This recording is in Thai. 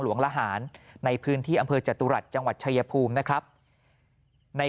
ละหารในพื้นที่อำเภอจตุรัสจังหวัดชายภูมินะครับใน